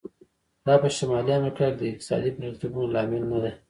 دا په شمالي امریکا کې د اقتصادي بریالیتوبونو لامل نه دی.